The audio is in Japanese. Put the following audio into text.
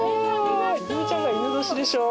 泉ちゃんが戌年でしょ